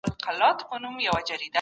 ژوند په نېکۍ تېر کړئ.